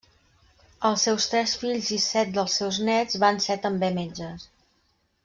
Els seus tres fills i set dels seus néts van ser també metges.